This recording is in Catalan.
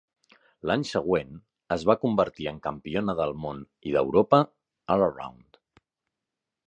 L'any següent es va convertir en campiona de món i d'Europa "All-Around".